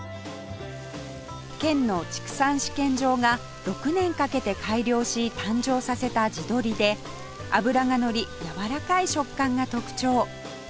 県の畜産試験場が６年かけて改良し誕生させた地鶏で脂がのりやわらかい食感が特徴